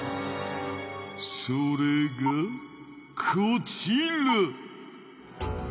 それがこちら